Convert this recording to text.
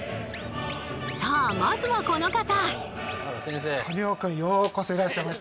さあまずはこの方。